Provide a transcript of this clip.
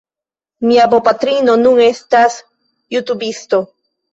Mia bopatrino nun estas jutubisto